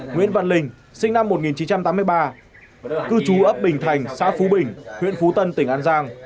nguyễn văn linh sinh năm một nghìn chín trăm tám mươi ba cư trú ấp bình thành xã phú bình huyện phú tân tỉnh an giang